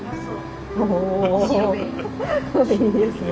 いいですね。